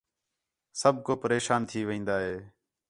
سب کو پریشان تھی وین٘دا ہِے